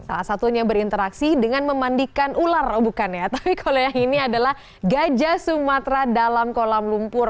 salah satunya berinteraksi dengan memandikan ular oh bukan ya tapi kalau yang ini adalah gajah sumatera dalam kolam lumpur